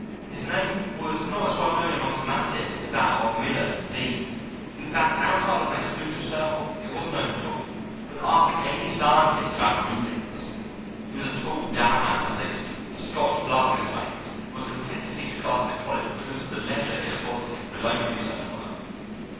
His name was not as well known among the masses as that of Miller and Dean; in fact, outside of an exclusive circle it wasn't known at all, but ask any scientist about Reubens. He was a tall, dour man of sixty, with Scotch blood in his veins, and was content to teach a class in a college because of the leisure it afforded him for his own research work.